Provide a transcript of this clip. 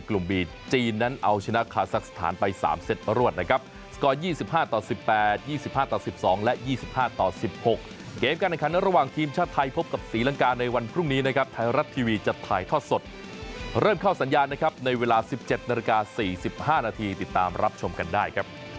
ก็อยากช่วยเพื่อนไปชิงชำโล่งด้วยอย่างนี้